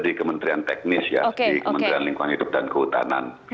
di kementerian lingkungan hidup dan kehutanan